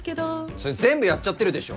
それ全部やっちゃってるでしょ。